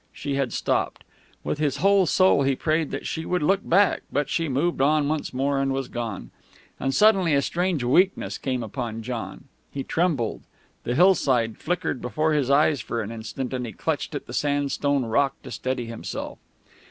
She had stopped. With his whole soul he prayed that she would look back. But she moved on once more, and was gone. And suddenly a strange weakness came upon John. He trembled. The hillside flickered before his eyes for an instant, and he clutched at the sandstone rock to steady himself.